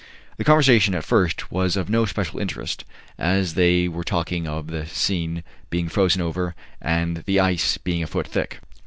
The conversation at first was of no special interest as they were talking of the Seine being frozen over, the ice being a foot thick.